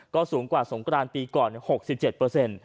ก็สูงกว่าสงกรานปีก่อน๖๗